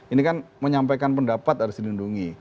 ini kan menyampaikan pendapat harus dilindungi